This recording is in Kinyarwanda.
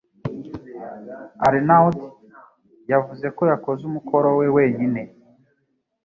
Arnaud yavuze ko yakoze umukoro we wenyine.